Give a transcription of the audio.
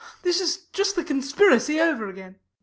This is just the conspiracy over again.